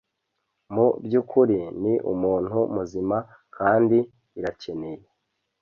Mu byukuri ni umuntu muzima kandi irakeneye